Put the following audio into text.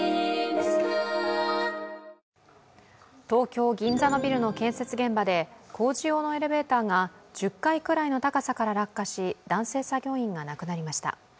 東京・銀座のビルの建設現場で工事用のエレベーターが１０階くらいの高さから落下し男性作業員が亡くなりました。